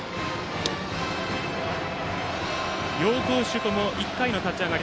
両投手とも１回の立ち上がり